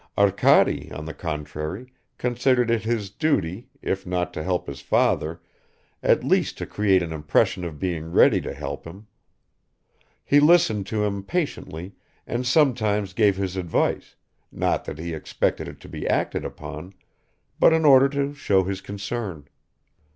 Arkady, on the contrary, considered it his duty, if not to help his father, at least to create an impression of being ready to help him. He listened to him patiently and sometimes gave his advice, not that he expected it to be acted upon, but in order to show his concern.